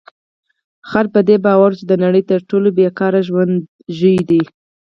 خر په دې باور و چې د نړۍ تر ټولو بې کاره ژوی دی.